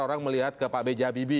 orang melihat ke pak beja bibi